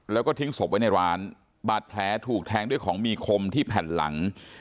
แล้วก็ทิ้งศพไว้ในร้านบาดแผลถูกแทงด้วยของมีคมที่แผ่นหลัง